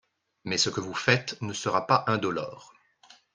Mais ce que vous faites ne sera pas indolore.